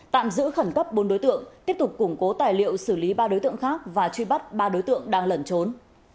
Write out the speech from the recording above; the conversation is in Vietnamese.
tạm giữ khẩn cấp bốn đối tượng tiếp tục củng cố tài liệu xử lý ba đối tượng khác và truy bắt ba đối tượng đang lẩn trốn